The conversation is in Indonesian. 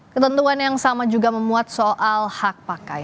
ketentuan yang sama juga memuat soal hak pakai